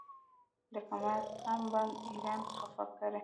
د کمال خان بند ایران خفه کړی؟